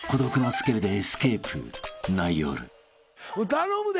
頼むで。